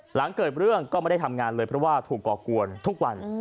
หลังเกิดเรื่องก็ไม่ได้ทำงานเลยเพราะว่าถูกก่อกวนทุกวัน